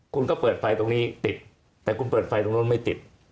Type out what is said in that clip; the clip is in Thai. คุณก็เปิดไฟตรงนี้ติดแต่คุณเปิดไฟตรงนู้นไม่ติด